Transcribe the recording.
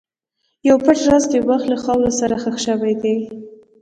یو پټ راز د وخت له خاورې سره ښخ شوی دی.